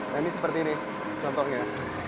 nah ini seperti ini contohnya